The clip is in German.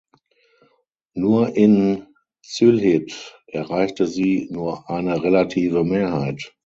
Nur in Sylhet erreichte sie nur eine relative Mehrheit.